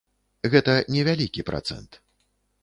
Гэта не вялікі працэнт.